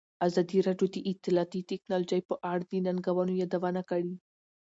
ازادي راډیو د اطلاعاتی تکنالوژي په اړه د ننګونو یادونه کړې.